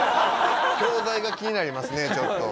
教材が気になりますねちょっと。